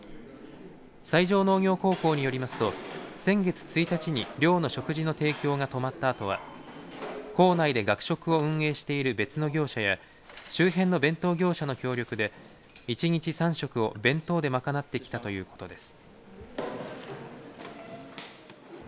西条農業高校によりますと先月１日に寮の食事の提供が止まったあとは校内で学食を運営している別の業者や周辺の弁当業者の協力で一日３食を弁当で賄ってきたということです。